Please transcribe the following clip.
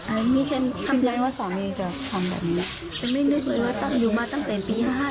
อ่ามีแฟนทำอะไรว่าสามีจะทำแบบนี้แต่ไม่นึกว่าต้องอยู่มาตั้งแต่ปีห้าห้า